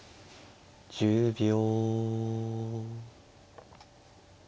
１０秒。